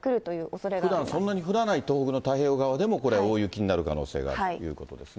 ふだんそんなに降らない東北の太平洋側でもこれ、大雪になる可能性があるということですね。